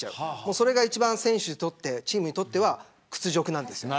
それが一番選手、チームにとっては屈辱なんです。